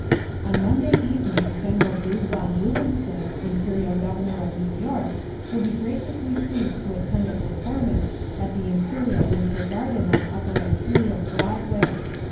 On Monday evening General Boob von Boobenstiff, Imperial Governor of New York, will be graciously pleased to attend a performance at the (Imperial) Winter Garden on Upper (Imperial) Broadway.